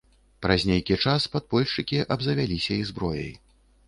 Праз нейкі час падпольшчыкі абзавяліся і зброяй.